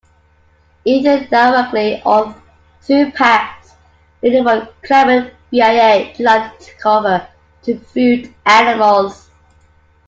Either directly or through paths leading from climate via plant cover to food animals.